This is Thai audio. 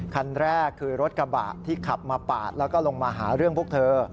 คันแรกคือรถกระบะที่ขับมาปาดแล้วก็ลงมาหาเรื่องพวกเธอ